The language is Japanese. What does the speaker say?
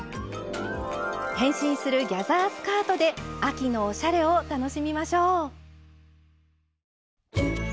変身するギャザースカートで秋のおしゃれを楽しみましょう。